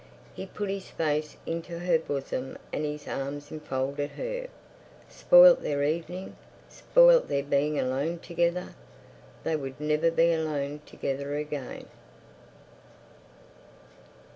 He put his face into her bosom and his arms enfolded her. Spoilt their evening! Spoilt their being alone together! They would never be alone together again.